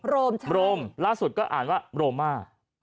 รโม้ล่าสุดก็อ่านว่าโรมา